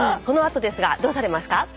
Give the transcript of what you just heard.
このあとですがどうされますか？